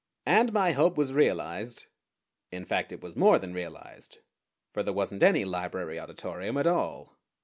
And my hope was realized; in fact it was more than realized, for there wasn't any Library Auditorium at all.